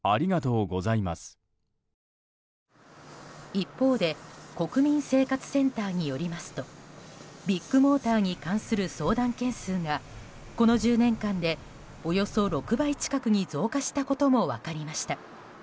一方で国民生活センターによりますとビッグモーターに関する相談件数がこの１０年間でおよそ６倍近くに増加したことも分かりました。